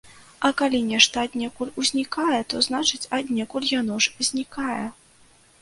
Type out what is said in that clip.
А калі нешта аднекуль узнікае, то значыць, аднекуль яно ж знікае.